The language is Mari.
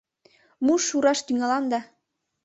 Муш шураш тӱҥалам да